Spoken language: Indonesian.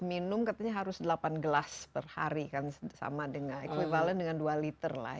minum katanya harus delapan gelas per hari kan sama dengan equivalent dengan dua liter lah